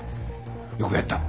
よくやった。